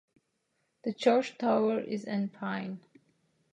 The church tower is "en peigne".